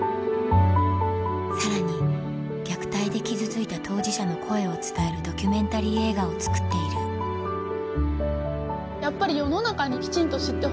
さらに虐待で傷ついた当事者の声を伝えるドキュメンタリー映画を作っているやっぱり世の中にきちんと知ってほしい。